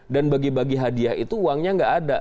dan bagi bagi hadiah itu uangnya nggak ada